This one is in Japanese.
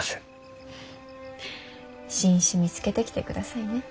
フッ新種見つけてきてくださいね。